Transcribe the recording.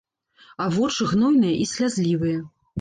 А вочы гнойныя і слязлівыя.